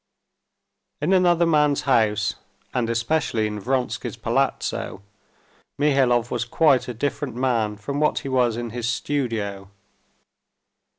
In another man's house, and especially in Vronsky's palazzo, Mihailov was quite a different man from what he was in his studio.